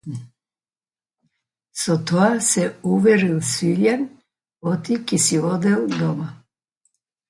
Со тоа се уверил Силјан оти ќе си одел дома.